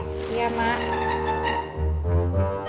ntar aku main